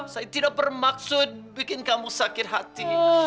saya tidak bermaksud bikin kamu sakit hati